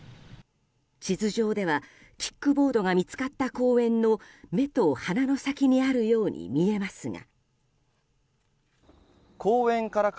地図上ではキックボードが見つかった公園の目と鼻の先にあるように見えますが。